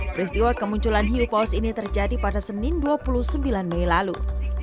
peristiwa kemunculan hiu paus ini terjadi pada senin dua puluh sembilan mei lalu